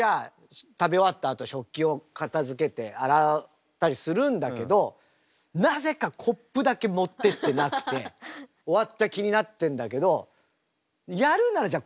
食べ終わったあと食器を片づけて洗ったりするんだけどなぜかコップだけ持ってってなくて終わった気になってんだけどやるならじゃ